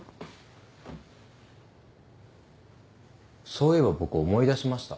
そういえば僕思い出しました。